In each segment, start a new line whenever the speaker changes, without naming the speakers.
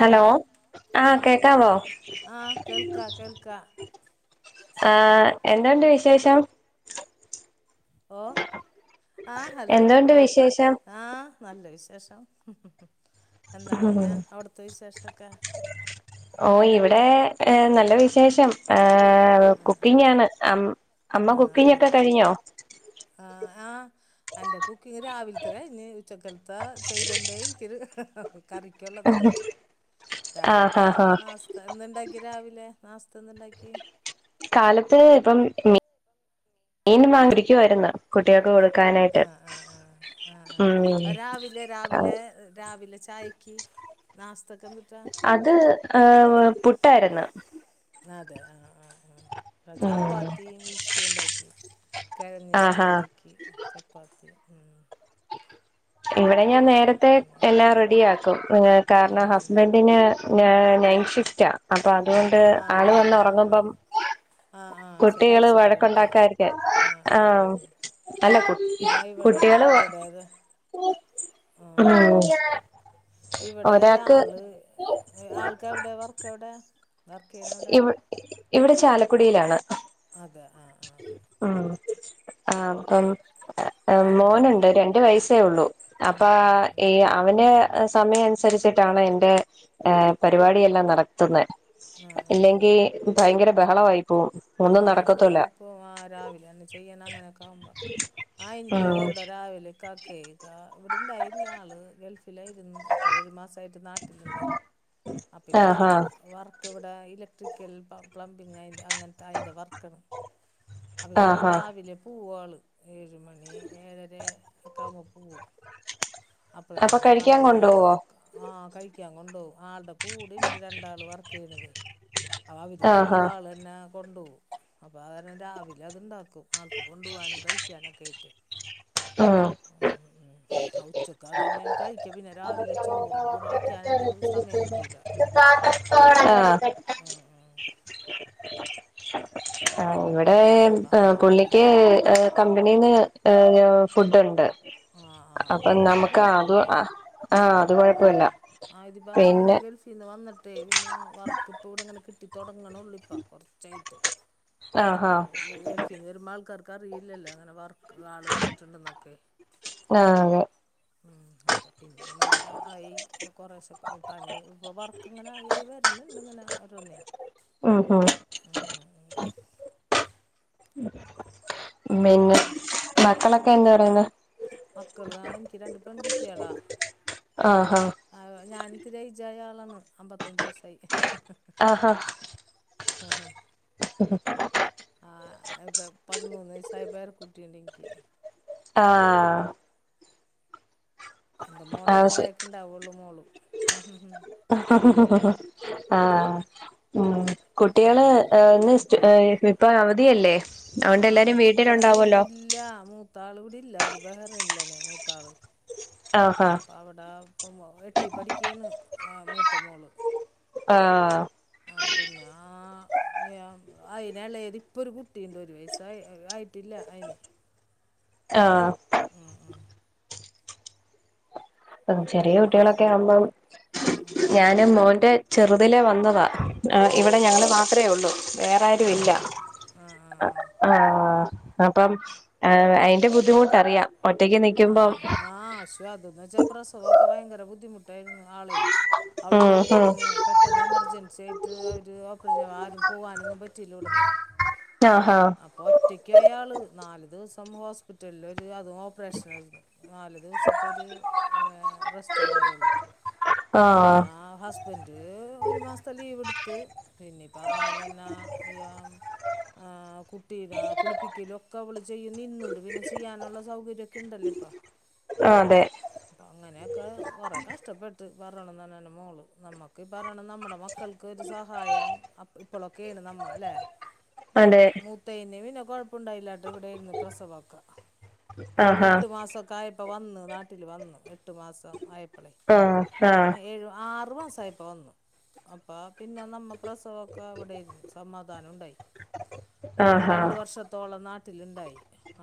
Hello
ആ
ആഹ കേക്കാവോ
ആ കേൾക്കാ കേൾക്കാ
ആ എന്തണ്ട് വിശേഷം
ഓ ആഹ ഹലോ
എന്തുണ്ട്
ആഹ
വിശേഷം
ആഹ നല്ല വിശേഷം എന്താണ് പിന്നെ അവിടുത്തെ വിശേഷം ക്ക
ഓ ഇവിടെ ഹ നല്ല വിശേഷം കുക്കിങ്ങ് ആണ് അമ്മ
ആ ആ
കുക്കിംഗ്ഒക്കെ കഴിഞ്ഞോ
എന്റെ കുക്കിങ് രാവിൽത്തെ കയിഞ്ഞ്. ഉച്ചക്കൽത്തെ ചെയ്തോണ്ടേ ഇരിക്ക്ന്ന് കറിക്ക്ള്ളതൊക്കെ.
ആഹ്
രാവിൽത്തെ
ആഹ് ആഹ്
നാശ്ത, എന്നണ്ടാക്കിയെ രാവിലെ? നാസ്ത്ത എന്ത്ണ്ടാക്കി?
കാലത്ത് ഇപ്പം മീ മീനും വാങ്ങിയിരിക്കുവാര്ന്ന് കുട്ട്യോൾക്ക് കൊടു
ആ
ക്കാനായിട്ട്
ആ ആ ആ രാവിലെ രാവിലെ രാവിലെ ചായക്ക് ന്നാസ്
അത് ആഹ് വേ പുട്ടാര്ന്നു
അതെ ആഹ് ആഹ് ആഹ് ആഹ്
ഉം
ചപ്പാത്തിയും ഇഷ്റ്റ്യൂ ഇണ്ടാക്കി. കെഴങ്ങ് ഇഷ്റ്റ്യൂ
ആഹാ
ഇണ്ടാക്കി. ചപ്പാത്തിയും
ഇവിടെ ഞാൻ നേരത്തെ
പിന്നെ
എല്ലാം
പഴം
റെഡിയാക്കും ങേ
ഉം
കാരണം
ഉം
ഹസ്ബൻഡിന് ഏ നൈറ്റ് ഷിഫ്റ്റാ ഹ പ്പ അതോണ്ട്
ആ
ആള്
ആ
വന്ന്
ആ ആ
ഒറങ്ങുമ്പം
ആ ആ ആ ശ-
കുട്ടികള്
കഴിച്ചിട്ട് കിടക്കാൻ
വഴക്കുണ്ടാക്കാതിരിക്കാൻ ആ അല്ല കുട്ട് കുട്ട്യാള്
ഉം ഉം ഇവിടെത
ഒരാൾക്ക്
ആള് ആൾക്കെവെടെ വർക്കെവെടെ വർക്കെയ്യ്ണെവിട
ഇവി ഇവിടെ ചാലക്കുടിയിലാണ്
ആ ആ
[inaudible] ഹ്
ഇവിടെ
മോനുണ്ട് രണ്ട് വയസ്സേ ഉള്ളൂ
ഉം
അപ്പാ
ഉം ഉം
ഈ അവന് സമയന്സരിച്ചിട്ടാണ് എന്റെ ഏഹ് പരിപാടിയെല്ലാം നടത്ത്ന്നേ
ആ ആ
ഇല്ലെങ്കീ
ആ
ഭയങ്കരം ബഹളവായി പോവും ഒന്നും നടക്കത്തൂല്ല
പോം. ആ രാവിലെലെന്നെ ചെയ്യണം അങ്ങനൊക്കാവുമ്പോ ആ എനിക്കു അതെ
ഉം
ഇവിടെ രാവിലെ ഇക്കാക്കെ ഇക്ക ഇവിടെണ്ടായില്ല ആള് ഗൾഫിലായിരുന്നു ഇപ്പൊ ഏഴ് മാസ ആയിട്ട് നാട്ട്ല്ണ്ട് അപ്പ ഇപ്പ
ആഹാ
വർക്ക്‌ ഇവ് ആ ഇലക്ട്രിക്കൽ പ പ്ലംബിങ്ങായിന്റെ അങ്ങനെ അയിന്റെ വർക്കണ്. അപ്പ ഈ പറഞ്ഞപോലെ
ആഹാ
രാവിലെ പൂവു ആള് ഏഴ് മണി ഏഴര ഒക്കെയാവുമ്പോ പോവും.
അപ്പൊ
അപ്പഴത്തീനും
കഴിക്കാൻ
ആൾക്ക്
കൊണ്ടുപോവോ
ആഹ് കഴിക്കാൻ കൊണ്ടോവും ആൾടെ കൂടെ ഇണ്ട് രണ്ടാള് വർക്കെയ്യണതേ
ആഹാ
അവരുകൊള്ളതും ആളെന്നെ കൊണ്ടോവും അപ്പോ അത് കാരണം രാവിലെ അത്ണ്ടാ ക്കും ആൾക്ക് കൊണ്ടു പോകാനും കഴിക്കാനൊക്കെ ആയിട്ടേ
ഉം
ഉം ഉം ഉച്ചക്ക് അതന്നെയണ് കഴിക്ക പിന്നെ രാവിലെ ചോറും കൂടെ വെക്കാനായിട്ട് സമയം കിട്ടൂല ഉം ഉം
ആ ഇവിടെ ഏമ്
അപ്പം അങ്ങനെ
പുള്ളിക്ക് എ കമ്പനിന്ന് എ ഫുഡ്‌ ഇണ്ട്
ആ ആ ആ
അപ്പൊ
പിന്നെ
നമുക്ക് ആത്
കുഴപ്പമില്ല
ആ അത്
ആ
കൊഴപ്പവില്ല പിന്നെ
ട്ടെ പിന്നെ വർക്കിപ്പ ഇവിടെങ്ങനെ കിട്ടി തൊടങ്ങോള്ളിപ്പ കോറച്ചായിട്ട്
ആ ഹ
ക്കറിയില്ലല്ല അങ്ങനെ വർ ക്ക്‌ ആള് വന്നിട്ടുണ്ടന്നൊക്കെ
ആ അതെ
മ് അപ്പ പിന്നെ ഇനിയിപ്പോ ആയി കോറേശ്ശെ പണി ഇപ്പ വർക്ക് ഇങ്ങനെ ആയി ആയി വര്നിണ്ട് ഇങ്ങനെ ഓരോന്നേ
ഉം ഹും
പിന്നെ
മേന്ന് മക്കളൊ ന്ത് പറയുന്നു
മക്കള് ആ എനിക്ക് രണ്ടു പേൺ കുട്ടിയെള
ആഹാ
അവ ഞാൻ ഇത്തിരി എയ്ജ് ആയ ആളാണ് അമ്പത്തഞ്ചു വയസായി ഹ് ഹ്‌
ആഹാ
ആ പതിമൂന്ന് വയസായ പേരകുട്ടിയിണ്ട് ഇനിക്ക്
ആ
എന്റെ മോൾടെ
ആഹ് ശ
പ്രായൊക്കെ ഇണ്ടാവുള്ളൂ മോളും ഹും ഹും
ആ ഉം കുട്ടിയള് ഇന്ന് ഇസ്റ്റ് എപ്പോഴ അവ പ്രിയല്ലേ
ആ കുട്ടിയള് അത് ഇല്ല മൂത്താള് ഇവിടില്ല അവനു ബഹറിൻലാണെ മൂത്താള്
ആഹാ
അപ്പൊ അവടെ ഇപ്പൊ മോൻ എട്ടിൽ പഠിക്കേണ് ആ മൂത്ത മോള്
ആ
യ അയിന്ളേത് ഇപ്പൊ ഒരു കുട്ടിണ്ട് ഒരു വയസായി അ ആയിട്ടില്ല അയിന്
ആഹ്
ഉം ഉം
ചെറിയ
പിന്നെ
കുട്ടികളൊക്കെ ആവുമ്പം
ഉം
ഞാന് മോന്റെ ചെറുതിലെ വന്നതാ ആ
ആഹ്
ഇവിടെ ഞങ്ങള്
ആഹ്
മാത്രേ ഉള്ളൂ വേറെ
ആഹ്
ആരുംഇല്ല
ആഹ് ആഹ്
ആ
ആഹ് ആഹ്
ആഹ് അപ്പം അയിന്റെ ബുദ്ധിമുട്ടറിയാം ഒറ്റക്ക് നിക്കുമ്പം
ആഹ് ആഹ് അശ്വാ അതൊന്നച്ചാ പ്രസവമൊക്കെ ഭയങ്കര ബുദ്ധിമുട്ടായിരുന്നു ആളെ
ഉം
അവടെത്തന്നെ
ഉം
ആയിരുന്ന് പെട്ടെന്ന് എമർജൻസി ആയിട്ട് അവര് ഓ പ്പറേഷൻ ആരും പോവാനൊന്നും പ റ്റില്ലന്നൊടിന്നെ
ആഹാ
അപ്പൊ ഒറ്റക്ക് അയാള് നാല് ദീസം ഹോസ്പിറ്റലല് ഒരു അത് മാ [unintelligible] നാല് ദിവസത്തെരു റെസ്റ്റ് ഉണ്ടായുള്ളു
ആഹ്
പിന്നെ ഹസ്ബൻഡ് ഒരു മാസത്തെ ലീവ് ടുത്തു ത്ത് പിന്നീപ്പറോണംതന്നെ [unintelligible] ആ കുട്ടിനാ കുളിപ്പിക്കലും ഒക്കെ അവള് ചെയ്യുംനിന്നുണ്ട് പിന്നെ ചെയ്യാനുള്ള സൗകര്യ [unintelligible] ക്കെണ്ടല്ലോ
ആഹ് അതെ
ഇപ്പൊ അങ്ങനെയൊക്കെ കൊറെ കഷ്ടപ്പെട് പറണം തന്നന്റ മോള് നമ്മുക്ക ഇ പറയണം നമ്മുടെ മക്ക ക്കൾക്ക് ഒരു സഹായം ഇപ്പോളൊക്കെയണ് നമ്മ അല്ലേ
അതെ
മൂത്തയിനെ പിന്നെ കുഴപ്പു--ണ്ടാ--യില്ല ഇവിടെയിരുന്നു പ്രസവക്കെ
ആഹാ
എട്ട് മാസക്കാ ആയപ്പോ പ്പോ വന്ന് നാട്ടില് വന്ന് എട്ട് മാസം ആയപ്
ആഹ് ആഹ്
റു---സായപ്പോ വന്നു അപ്പോൾ പിന്നെ നമ്മ പ്രസവൊക്കെ അവിടെരുന്നു സമാധാനം ഉണ്ടായി റ്റേ
ആഹാ
രണ്ട് വർഷത്തോളം നാട്ടിൽ ട്ടിലുണ്ടായി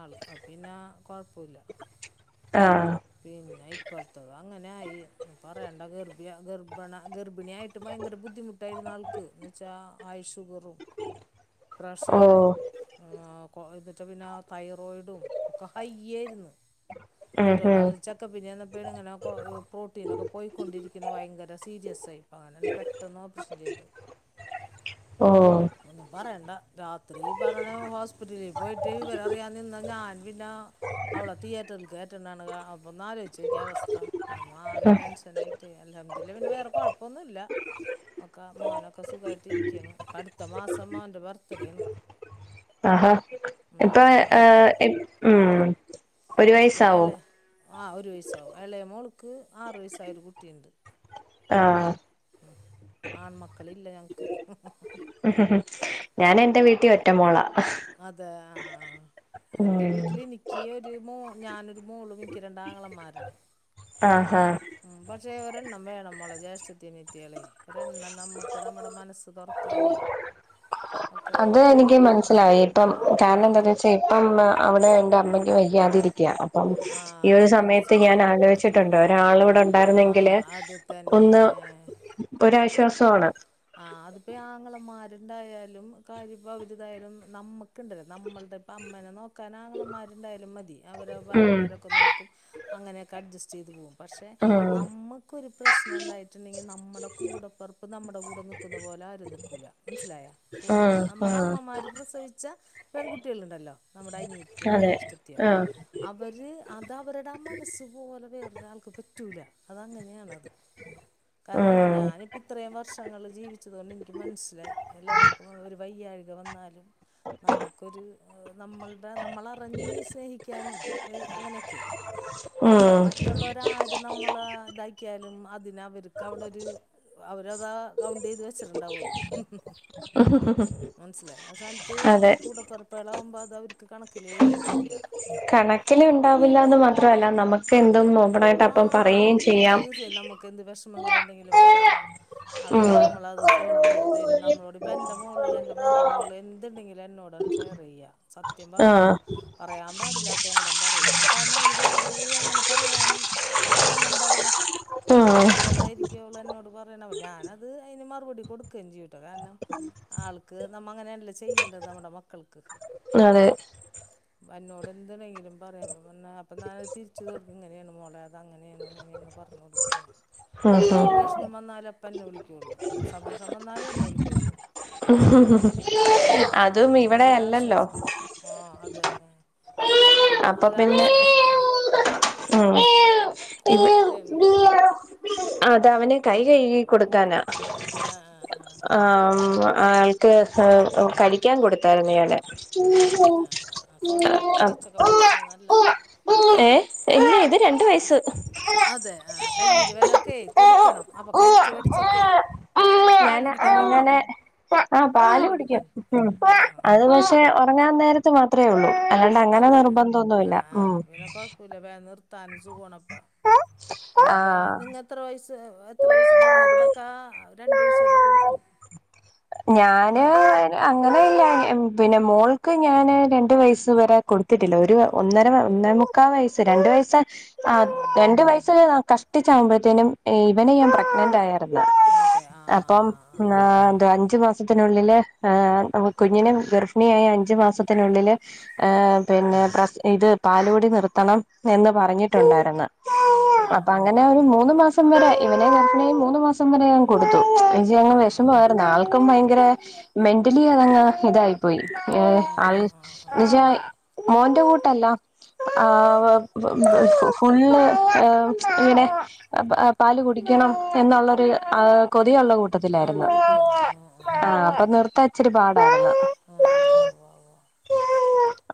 ആൾ പിന്നെ കുഴപ്പമില്ല
ആഹ്
പിന്നെ ഇപ്പോളത്തെദ് അങ്ങനെ ന്നെ ആയി ഒന്നും പറയണ്ട ഗർഭ ഗർഭണ ഗർഭിണി ണിയായിട്ട് ഭയങ്കര ബുദ്ധിമുട്ടായിരുന്ന് ആൾക്ക് എന്നുവെച്ചാൽ ഹൈ ഷുഗർ പ്രഷറും
ഓഹ്
ഹാവൂ ഓ എന്നിട്ട് പിന്ന തൈറോയിഡും ഒക്ക വയ്യായിരുന്നു
ഉം
ഏറ്റോ
ഉം
എളയാള് ചെക്കപ്പിന് ചെന്നപ്പേണ് ഇങ്ങനെ കോ പ്രോട്ടീനൊക്കെ പോയ്ക്കൊണ്ടിരിക്ക്ണ് വയങ്കര സീരിയസായി അങ്ങനന്നെ പെട്ടെന്നോപ്പറേഷൻ ചെയ്ത്
ഓഹ്
ഒന്നും പറയണ്ട രാത്രി പറഞ്ഞ് ഹോസ്പിറ്റലീ പോയിട്ട് വിവരറിയാൻ നിന്ന ഞാൻ പിന്ന അവള തിയേറ്ററില് കേ [unintelligible] ഒന്നാലോയിച്ചോക്ക്യേ അവസ്ഥ നമ്മ ആകെ ടെൻഷനായിറ്റേ എല്ലാം ഇല്ല പിന്നെ വേറ കൊഴപ്പമൊന്നുല്ല ഒക്ക മോനൊക്ക സുഖായിട്ട് ഇരിക്ക്യെണ് അടുത്ത മാസം മോൻ്റെ ബർത്ത്ഡേണ്
ആഹാ ഇപ്പൊ
മൂത്തതും
ഏഹ് ഉം ഒരു
പിന്നെ
വയസാവോ
ഇളയ ആ ഒരു വയസ്സാവും എളയ മോള്ക്ക് ആറ് വയസ്സായൊരു കുട്ടിയിണ്ട്
ആഹ്
ഇല്ല ഞങ്ങ്ക്ക്
ഞാനെന്റെ വീട്ടീ ഒറ്റമോളാ
അതെ ആ ആ ആ
ഉം
അന്റെ വീട്ടിലെനിക്കി ഒരു മോ ഞാനൊരു മോളും എനിക്ക് രണ്ടാങ്ങളമാര് [unintelligible]
ആഹ് ആഹ്
ക്ഷേ ഒരെണ്ണം വേണം മോളെ ജ്യേഷ്ഠത്തി അനിയത്തിയളെ ഒരെണ്ണം നമ്മക്ക് നമ്മടെ മനസ്സ് തൊറക്കാനും
അത് എനിക്ക് മനസ്സിലായി ഇപ്പം കാരണം
ആഹ്
എന്താന്ന് വെച്ചാ ഇപ്പം ആഹ് അവടെ എന്റമ്മയ്ക്ക് വയ്യാതിരിക്ക്യാ ഈ ഒരു
ആഹ്
സമയത്ത്
തീർച്ചയായിട്ടും ഉം ഉം
ഞാനാലോയിച്ചിട്ടുണ്ട്
ഉം
ഒരാളിവിടെ ഒണ്ടായിരുന്നെങ്കില്
ആഹ് അത്
ഒന്ന്
തന്നെ
ഒരാഴ് ശ്വാസവാണ്
ആഹ് അതിപ്പേ ആങ്ങളമാര്ണ്ടായാലും കാര്യിപ്പോ അവരിതായാലും നമ്മുക്ക്ണ്ടല്ലോ നമ്മൾ ഇതിപ്പമ്മേനെ നോക്കാനാങ്ങളമാര്ണ്ടായാലും മതി അവരെ
ഉം
ഭാര്യമാരൊക്കെ നോക്കും അങ്ങനെയൊക്കെ അഡ്ജസ് ചെയ്തുവോ പക്ഷേ
ഉം
നമ്മക്കൊരു പ്രശ്നണ്ടായിട്ടുണ്ടെങ്കി നമ്മടെ കൂടപ്പറപ്പ് നമ്മടെ മ്മട കൂടെ നിക്കുന്ന പോലാരും നിക്കൂല മനസ്സിലായ ഉം നമ്മടമ്മമാര് പ്രസവിച്ച പെൺകുട്ടികള്ണ്ടല്ലോ നമ്മടനിയത്തിയോ
അതെ
ജ്യേഷ്ഠത്തിയോ
ആഹ്
അവര് അതവരുടെ ആ മനസ് പോലെ വേറൊരാൾക്കും പറ്റ് റ്റൂല അതങ്ങനെയാണത് കാരണം
ഉം
ഞാനിപ്പിത്രേം വർഷ് ഷങ്ങള് ജീവിച്ചത് കൊണ്ടെനിക്ക് മൻസ്സിലായി അല്ലാ നമുക്ക് ഒരു വയ്യാഴ്ക വന്നാലും നമ്മുക്കൊരു നമ്മൾ നമ്മളെ അറിഞ്ഞ് സ്നേഹിക്കാനും ഒരു അങ്ങനെയൊക്കെ
ഉം
മറ്റുള്ളവരൊക്കെ നമ്മൾ ഒരു ആക്കിയാലും അതിന് അവർക്ക് അവിടെ ഒരു അവരതാ കൗണ്ട് ചെയ്ത് വെച്ചിട്ടുണ്ടാവും അത് മനസ്സിലായി അസാനത്ത് നമ്മുടെ കൂടപ്പിറപ്പുകൾ ആവുമ്പോൾ അത് അവർക്ക് കണക്ക്
കണക്കില്ല ഉണ്ടാവില്ലാന്ന് മാത്രല്ല നമുക്ക് എന്ത് അതും ഓപ്പണായിട്ട് അപ്പ പറയുകയും ചെയ്യാം
വിഷമങ്ങൾ ഉണ്ടെങ്കിലും പറയാം അത്
ഉം
നമ്മൾ അത് സോൾവ് ചെയ്ത് തരും നമ്മളോട് ഇപ്പ എന്റെ മോള് എന്റെ മൂത്ത മോള് എന്തുണ്ടെങ്കിലും എന്നോടാണ് ഷെയർ ചെയ്യ സത്യം സത്യം പറഞ്ഞാ
ആഹ്
പറയാൻ പാടില്ല അല്ലാത്തും കൂടെ പറയും അ കാരണം അതിനു വേറൊരു അങ്ങനെ പറയാൻ അത് തോന്നുന്നുണ്ടാവൂല്ല
ഉം
അതുകൊണ്ടായിരിക്കു അവൾ എന്നോട് പറയണ ഞാൻ അത് അതിന് മറുപടി കൊടുക്കുകയും ചെയും അത് കാരണം ആൾക്ക് നമ്മൾ അങ്ങനെയണല്ലോ ചെയ്യേണ്ടത് നമ്മുടെ മക്കൾക്ക്
അതെ
എന്നോട് എന്തുണ്ടെങ്കിലും പറയും അപ്പൊ അത് തിരിച്ചും ഇങ്ങനെയാണ് മോളെ അത് അങ്ങനെയാണ് ഇങ്ങനെയാണ് പറഞ്ഞ കൊടുക്കും ഞാൻ
ഉം ഉം
എന്തൊരു വിഷമം വന്നാലും അപ്പോ ഇപ്പോ എന്നെ വിളിക്കും സന്തോഷം വന്നാലും എന്നെ വിളിക്കും കേൾക്കും അതൊരു
അതും
ആൾക്കും
ഇവിടെ
അതൊരു
അല്ലല്ലോ
ആശ്വാസം ആഹ അത് തന്നെ അത്
അപ്പൊ പിന്നെ
ആശ്വാസമാണ്
ഉം ഇവൻ ആ അത് അവന് കൈ കഴുകി കൊടുക്കാനാ ആ ആ കഴിക്കാൻ കൊടുത്തിരുന്നു
ആ അതെ ആ ആ ആ സ്വന്തമായിട്ട്
അട
കഴിച്ചൊക്കെ പഠിക്കുന്നത് നല്ലതാണ്
എ ഇല്ല ഇത് രണ്ട് വയസ്സ്
അതെ ആ കയ്യിൽ വല്ലതൊക്കെ കൊടുക്കണം അപ്പൊ കടിച്ച കടിച്ചൊക്കെ പാൽ
ഞാന്
കുടിക്കല്ലേ മോൻ
അങ്ങനെ ആ
പാല
പാല് കുടിക്കും
കുടിക്കൻ ആ ആ ആ
ഒരു നേരത്തെ മാത്രമേ ഉള്ളൂ അല്ലാതെ അങ്ങനെ
അതെ ആ
നിർബന്ധമൊന്നുമില്ല
ആ
ഉം
പിന്നെ കൊഴപ്പമില്ല വേഗം നിർത്താനും സുഖമാണ് അപ്പോ ഇനിയിപ്പോ
ആഹ്
നിങ്ങൾക്ക് എത്ര വയസ്സ് എത്ര വയസ്സ് ഞങ്ങൾ ഇവിടൊക്കെ രണ്ടു വയസ്സ് വരെ കൊടുക്കും.
ഞാൻ
പാല്
അങ്ങനെ ഇല്ല പിന്നെ മോൾക്ക് ഞാന് രണ്ട് വയസ്സ് വരെ കൊടുത്തിട്ടില്ല ഒരു ഒന്നര ഒന്നേ മുക്കാ വയസ്സ് രണ്ട് വയസ് ആ
ഉം
രണ്ടു വയസ് കഷ്ടിച്ച ആകുമ്പോഴത്തേനും ഇവനെ ഞാൻ പ്രഗ്നന്റ് ആയിരുന്നു
അതെ ആ ആ
അപ്പൊ
ആ ആ ആ ആ
അഞ്ചുമാസത്തിനുള്ളിൽ കുഞ്ഞിനെ ഗർഭിണിയായ അഞ്ചു മാസത്തിനുള്ളിൽ പിന്നെ ഇത് പാലുകുടി നിർത്തണം എന്ന് പറഞ്ഞിട്ടുണ്ടായിരുന്നു.
ആ ആ ആ
അപ്പൊ
ആ
അങ്ങനെ ഒരു മൂന്ന് മാസം വരെ ഇവനെ നോക്കണേന് മൂന്ന് മാസം വരെ ഞാൻ കൊടുത്തു പക്ഷേ
ആ ആ ആ
അവന് വേഷമായി ഒരു നാല ഭയങ്കര മെന്റലി അതങ്ങ് ഇതായി പോയി
ആ
ആള്
ആ ആ
എന്നച്ചാ മോ ബുദ്ധിമുട്ടല്ല ആ വെ ഫ് ഫ്‌ ഫുള്ള് ഇങ്ങനെ പാല് കുടിക്കണം എന്നുള്ളരു യുള്ള
ആ ഉള്ള
കൂട്ടത്തിലായിരുന്നു
കുട്ടിയാണ് ആ
ആഹ് അപ്പൊ നിർത്താൻ ഇച്ചിരി പാടാ
ആഹ് ആഹ് ഉവ്വ ഉവ്വ ഉവ്വ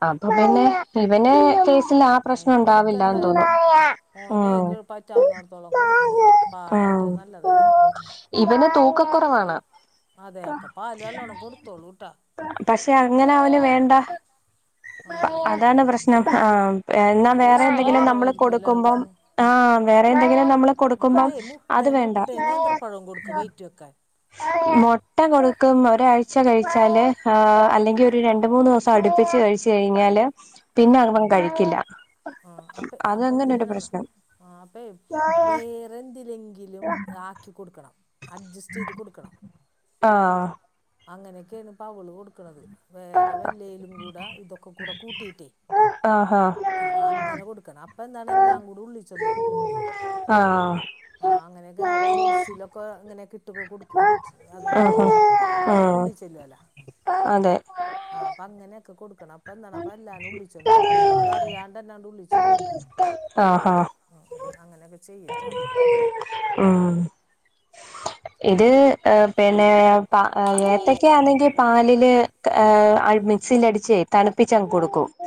അപ്പൊ പിന്നെ ഇവനെ കേ ആ പ്രശ്നം
മോന് കൊടുക്ക്
ഉണ്ടാവില്ല തോന്നി
എന്തായാലും മോനെ പറ്റാവുന്നിടത്തോളം കൊടുക്ക് പാല് ഏറ്റവും നല്ലതല്ലേ
പിന്നെ തൂക്കക്കുറവാണ്
അതെ അപ്പൊ പാല് നല്ലോണം കൊടുത്തോളൂ ട്ടാ
പക്ഷെ അങ്ങനെ അവന് വേണ്ട
ആഹ് ആഹ്
അതാണ്
ആഹ്
പ്രശ്നം ആഹ് എന്നാ
ആ
വേറെ
വിശപ്പ്
എന്തെങ്കിലും നമ്മള്
കുറവായിരിക്കുംല്ലേ
കൊടുക്കുമ്പം
ആൾക്ക്
ആഹ് വേറെ എന്തെങ്കിലും ന
അതെ മുട്ട മുട്ട നേന്ത്രപ്പഴം കൊടുക്കും വെയിറ്റ് വെക്കാൻ
മുട്ട കൊടുക്കും ഒരാഴ്ച കഴിച്ചാല് അല്ലെങ്കിൽ ഒരു രണ്ട് മൂന്ന് ദിവസം അടുപ്പിച്ച് കഴിച്ച കഴിഞ്ഞാല് പിന്നെ
ആഹ്
അവൻ കഴിക്കില്ല
ആഹ് അപ്പ അപ്പ എന്ത്
അതങ്ങനെ ഒരു
ചെയ്യണന്നാ
പ്രശ്നം
അപ്പ വേറെന്തിലെങ്കിലും ആക്കിക്കൊടുക്കണം അഡ്ജസ് റ്റ് ചെയ്ത് കൊടുക്കണം
അഹ്
അങ്ങനെയൊക്കെയാണ് ഇപ്പവള് കൊടുക്ക്ണത് വേറെ വല്ലയിലും കൂടെ ഇതൊക്കെ കൂടെ കൂ ടി ടി
ആഹാ
അ ആ അങ്ങനെ കൊടുക്കണം അപ്പം എന്താണ് എല്ലാം കൂടി ഉള്ളിച്ചെന്നോളും
ആഹ്
ആഹ് അങ്ങനെയൊക്കെ അവള് ഓട്സിലൊക്കെ ഇങ്ങനെ കിട്ടുമ്പം കൊടുക്കും ശ അത്
ആഹാ
ഇതൊക്കെ
ആഹ്
അ അത്ക്കുള്ളി ചെല്ലോല
അതെ
ആ അപ്പ അങ്ങനെയൊക്കെ കൊടുക്കണം അപ്പ എന്താണ് അപ്പ എല്ലാതും ഉള്ളിച്ചെന്നോളും അത അറിയാണ്ടെ ന്നെ ഉള്ളിച്ചെല്ലും
ആ ഹാ
ഉം ഉം അങ്ങനെയൊക്കെ ചെയ്യട്ടാ
ഉം ഇത് പിന്നെ ഏത്തക്ക ആണെങ്കിൽ പാലില് മിക്സിൽ അടിച്ച് തണുപ്പിച്ചങ്ങ് കൊടുക്കും.